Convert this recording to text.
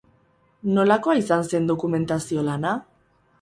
Nolakoa izan zen dokumentazio lana?